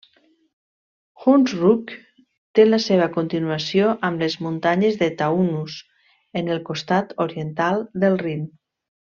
Hunsrück té la seva continuació amb les muntanyes Taunus en el costat oriental del Rin.